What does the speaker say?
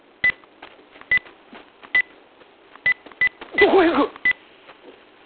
どこへ行く！